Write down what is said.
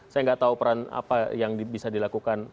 saya nggak tahu peran apa yang bisa dilakukan